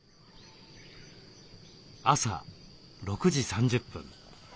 朝６時３０分。